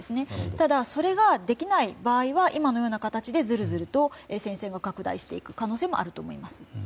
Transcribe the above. ただ、それができない場合は今のような形でずるずると戦線が拡大していく可能性もあると思います。